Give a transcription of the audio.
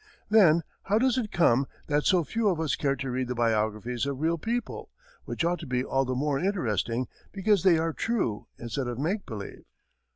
Then how does it come that so few of us care to read the biographies of real people, which ought to be all the more interesting because they are true instead of make believe?